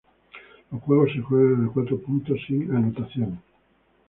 Los juegos se juegan a cuatro puntos sin anotaciones.